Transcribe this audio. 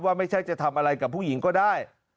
ไม่ใช่จะทำอะไรกับผู้หญิงก็ได้